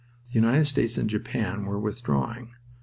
The United States and Japan were withdrawing.